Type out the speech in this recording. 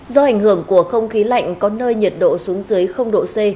do ảnh hưởng của không khí lạnh có nơi nhiệt độ xuống dưới độ c